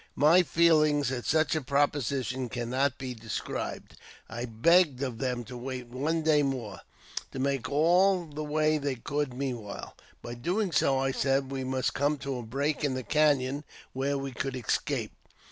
My feelings at such a proposition cannot be described. I begged of them to wait one day more, and make all the way they could meanwhile. By doing so, I said, we must come to a break in the canon, where we could escape.